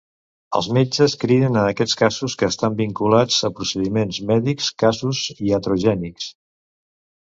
Els metges criden a aquests casos que estan vinculats a procediments mèdics casos iatrogènics.